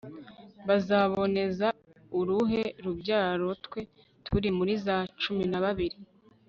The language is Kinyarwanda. bazaboneza uruhe rubyarotwe turi muri za cuminababiri